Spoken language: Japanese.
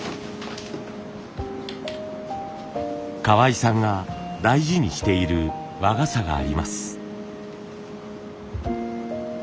河合さんが大事にしている和傘があります。